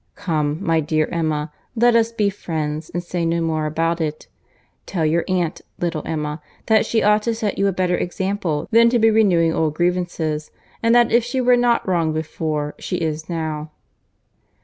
Come, my dear Emma, let us be friends, and say no more about it. Tell your aunt, little Emma, that she ought to set you a better example than to be renewing old grievances, and that if she were not wrong before, she is now."